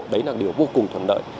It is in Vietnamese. đấy là điều vô cùng thuận đợi